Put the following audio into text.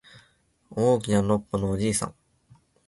大きなのっぽのおじいさん